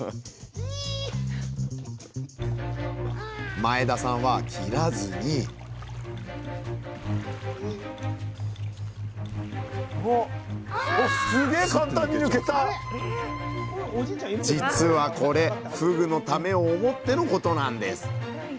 前田さんは切らずにすげ実はこれふぐのためを思ってのことなんです